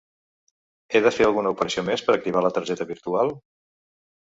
He de fer alguna operació més per activar la targeta virtual?